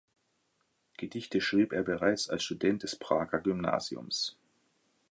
Gedichte schrieb er bereits als Student des Prager Gymnasiums.